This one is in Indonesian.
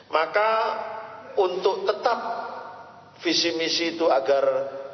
maka untuk tetap visi misi itu agar